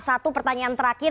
satu pertanyaan terakhir